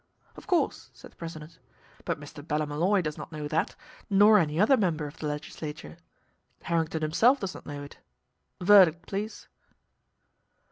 "Of course," said the president. "But Mr. Ballymolloy does not know that, nor any other member of the Legislature. Harrington himself does not know it. Verdict, please."